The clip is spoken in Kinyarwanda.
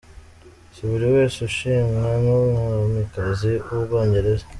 Si buri wese ushimwa n’Umwamikazi w’u Bwongereza.